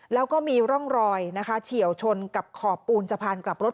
แล้วก็มีร่องรอยนะคะเฉียวชนกับขอบปูนสะพานกลับรถ